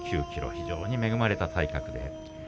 非常に恵まれた体格です。